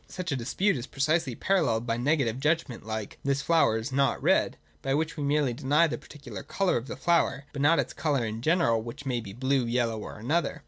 Such a dispute is precisely paralleled by a negative judg ment, like, ' This flower is not red :' by which we merely deny the particular colour of the flower, but not its colour in general, which may be blue, yellow, or any other.